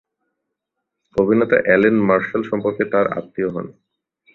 অভিনেতা Allen Marshall সম্পর্কে তার আত্মীয় হন।